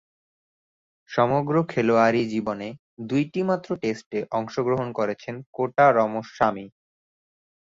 সমগ্র খেলোয়াড়ী জীবনে দুইটিমাত্র টেস্টে অংশগ্রহণ করেছেন কোটা রামস্বামী।